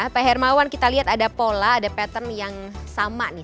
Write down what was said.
pak hermawan kita lihat ada pola ada pattern yang sama nih